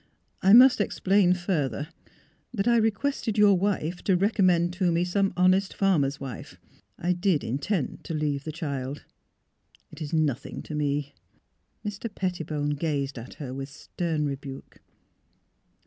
'' I must explain further that I requested your wife to recommend to me some honest farmer's wife. I did intend to leave the child. It is nothing to me." Mr. Pettibone gazed at her with stern rebuke.